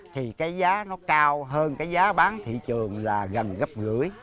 thì cái giá nó cao hơn cái giá bán thị trường là gần gấp gửi